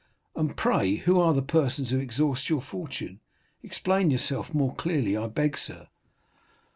"And pray who are the persons who exhaust your fortune? Explain yourself more clearly, I beg, sir."